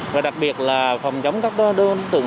và đặc biệt là phòng chống các đối tượng